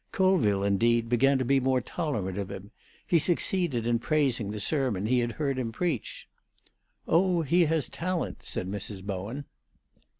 Colville, indeed, began to be more tolerant of him; he succeeded in praising the sermon he had heard him preach. "Oh, he has talent," said Mrs. Bowen.